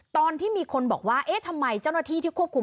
ตอนที่มีคนบอกว่าเอ๊ะทำไมเจ้าหน้าที่ที่ควบคุม